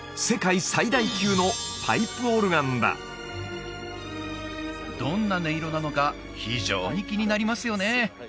世界最大級のパイプオルガンだどんな音色なのか非常に気になりますよね